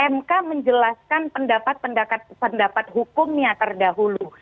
mk menjelaskan pendapat pendapat hukumnya terdahulu